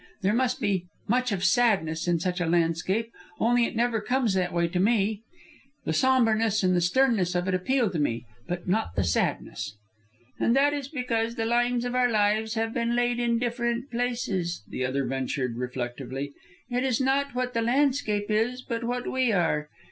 There must be much of sadness in such a landscape, only it never comes that way to me. The sombreness and the sternness of it appeal to me, but not the sadness." "And that is because the lines of our lives have been laid in different places," the other ventured, reflectively. "It is not what the landscape is, but what we are.